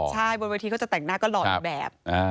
ใช่บนเวทีเขาจะแต่งหน้าก็หล่ออีกแบบ